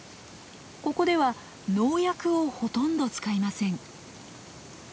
ここでは農薬をほとんど使いません。